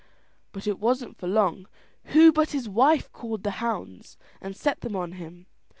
But it wasn't for long; who but his wife called the hounds, and set them on him.